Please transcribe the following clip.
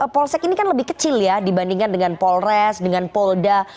polsek ini kan lebih kecil ya dibandingkan dengan polres dengan polda